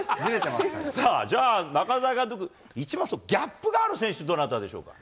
さあ、じゃあ中澤監督、一番ギャップがある選手、どなたでしょうか。